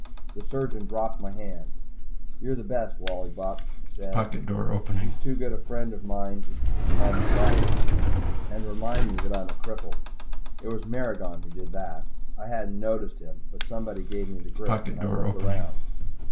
The surgeon dropped my hand. "You're the best, Wally Bupp," he said. He's too good a friend of mine to call me "Lefty" and remind me that I'm a cripple. It was Maragon who did that. I hadn't noticed him, but somebody gave me the grip, and I looked around.